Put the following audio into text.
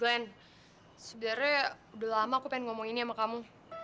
glenn sebenernya udah lama aku pengen ngomong ini sama kamu